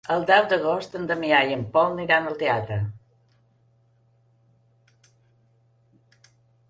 El deu d'agost en Damià i en Pol aniran al teatre.